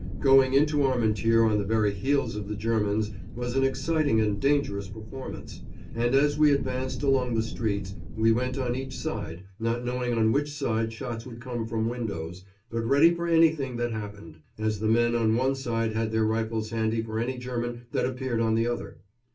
Going into Armentières on the very heels of the Germans was an exciting and dangerous performance, and as we advanced along the streets we went on each side, not knowing on which side shots would come from windows, but ready for anything that happened, as the men on one side had their rifles handy for any German that appeared on the other.